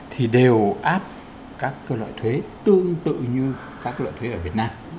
thì đều áp các loại thuế tương tự như các loại thuế